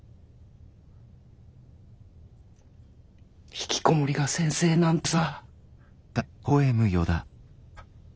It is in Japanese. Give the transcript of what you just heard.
ひきこもりが先生なんてさ。